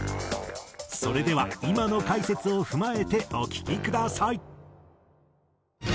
それでは今の解説を踏まえてお聴きください。